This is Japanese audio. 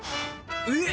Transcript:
えっ！